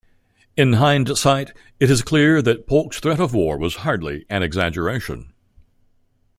In hindsight, it is clear that Polk's threat of war was hardly an exaggeration.